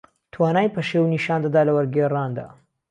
توانایی پەشێو نیشان دەدا لە وەرگێڕاندا